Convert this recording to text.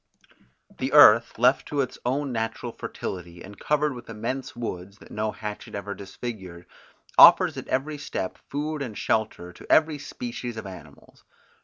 The earth left to its own natural fertility and covered with immense woods, that no hatchet ever disfigured, offers at every step food and shelter to every species of animals.